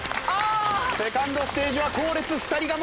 セカンドステージは後列２人がまず抜けた！